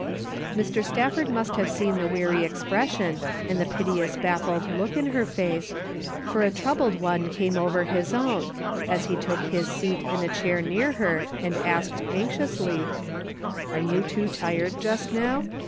Mr. Stalford must have seen the weary ex pression and the piteous baffled look in her face, for a troubled one came over his own, as he took his seat in a chair near her, and asked, anxiously, "Are you too tired just now?